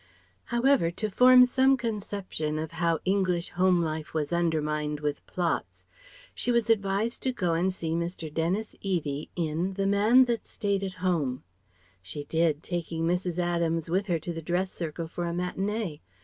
However to form some conception of how English home life was undermined with plots, she was advised to go and see Mr. Dennis Eadie in The Man That Stayed at Home. She did, taking Mrs. Adams with her to the Dress Circle for a matinée.